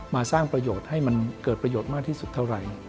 มาสร้างประโยชน์ให้มันเกิดประโยชน์มากที่สุดเท่าไหร่